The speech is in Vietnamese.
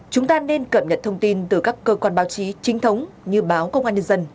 chúng ta nên cập nhật thông tin từ các cơ quan báo chí chính thống như báo công an nhân dân